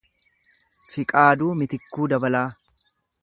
Fiqaaduu Mitikkuu Dabalaa